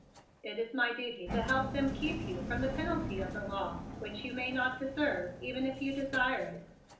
It is my duty to help them keep you from the penalty of the law, which you may not deserve even if you desire it.